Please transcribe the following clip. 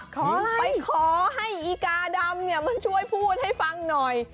ไปขอให้อีกาดำช่วยพูดให้ฟังหน่อย